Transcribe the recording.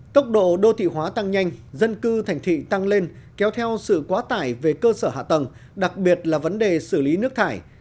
tốc độ đô thị hóa tăng nhanh dân cư thành thị tăng lên kéo theo sự quá tải về cơ sở hạ tầng đặc biệt là vấn đề xử lý nước thải